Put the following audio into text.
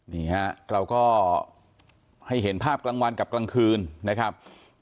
นี่ฮะเราก็ให้เห็นภาพกลางวันกับกลางคืนนะครับ